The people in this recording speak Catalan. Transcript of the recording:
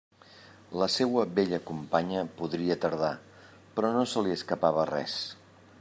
La seua vella companya podria tardar, però no se li escapava res.